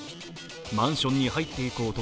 マンションに入っていく男。